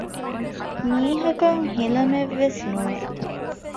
މީހަކަށް ހިލަމެއް ވެސް ނުވެ